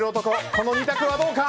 この２択はどうか？